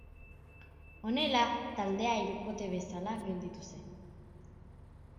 Honela taldea hirukote bezala gelditu zen.